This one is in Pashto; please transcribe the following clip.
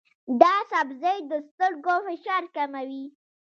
دا سبزی د سترګو فشار کموي.